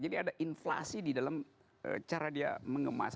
jadi ada inflasi di dalam cara dia mengemas